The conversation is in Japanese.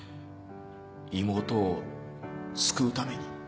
妹を救うために。